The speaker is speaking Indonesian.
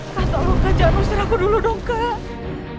kak tolong kacau kacau aku dulu dong kak